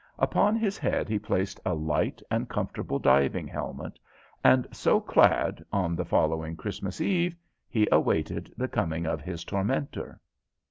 Upon his head he placed a light and comfortable diving helmet, and so clad, on the following Christmas Eve he awaited the coming of his tormentor.